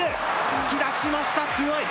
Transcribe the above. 突き出しました、強い。